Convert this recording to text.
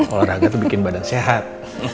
olahraga itu bikin badan sehat